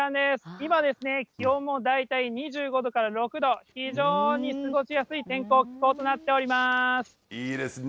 今、気温も大体２５度から６度、非常に過ごしやすい天候、気候といいですね。